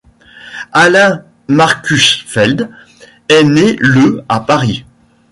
Alain Markusfeld est né le à Paris.